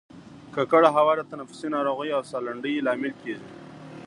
ککړه هوا د تنفسي ناروغیو او سالنډۍ لامل کیږي